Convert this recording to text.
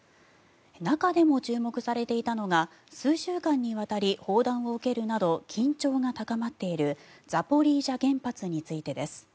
中でも注目されていたのが数週間にわたり砲弾を受けるなど緊張が高まっているザポリージャ原発についてです。